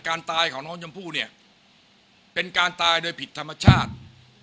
การตายของน้องชมพู่เนี่ยเป็นการตายโดยผิดธรรมชาติ